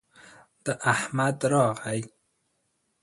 د احمد راغى